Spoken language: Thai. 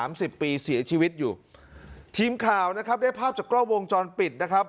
สิบปีเสียชีวิตอยู่ทีมข่าวนะครับได้ภาพจากกล้องวงจรปิดนะครับ